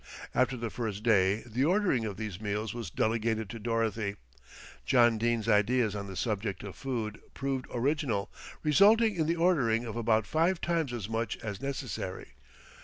After the first day the ordering of these meals was delegated to Dorothy. John Dene's ideas on the subject of food proved original, resulting in the ordering of about five times as much as necessary.